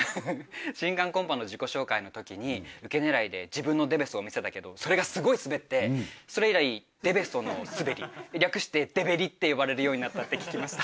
新歓コンパの自己紹介の時にウケ狙いで自分の出べそを見せたけどそれがすごいスベってそれ以来出べそのスベり略して「デベリ」って呼ばれるようになったって聞きました。